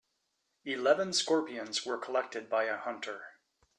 Eleven scorpions were collected by a hunter.